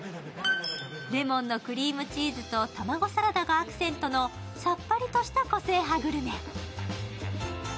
レモンのクリームチーズと卵サラダがアクセントのさっぱりとした個性派グルメ。